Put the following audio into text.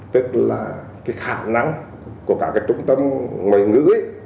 tức là cái khả năng của các cái trung tâm ngoại ngữ